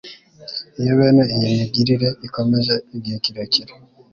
Iyo bene iyi migirire ikomeje igihe kirekire,